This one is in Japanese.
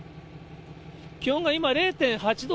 気温が今、０．８度。